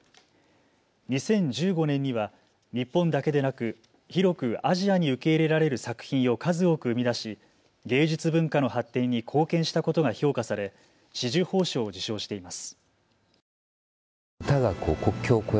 ２０１５年には日本だけでなく広くアジアに受け入れられる作品を数多く生み出し、芸術文化の発展に貢献したことが評価され紫綬褒章を受章しています。